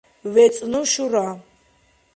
вецӀну шура